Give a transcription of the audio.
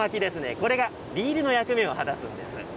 これがリールの役目を果たすんです。